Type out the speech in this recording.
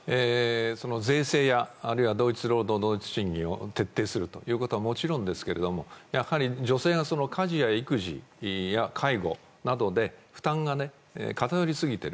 税制や同一労働同一賃金を徹底することはもちろんですけどやはり女性が家事や育児介護などで負担が偏りすぎてる。